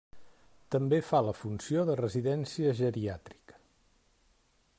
També fa la funció de residència geriàtrica.